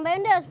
ya ini sih